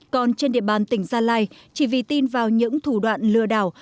còn trên địa bàn tỉnh gia lai chỉ vì tin vào những thủ đoạn lừa đảo